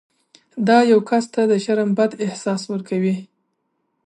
دا یو کس ته د شرم بد احساس ورکوي.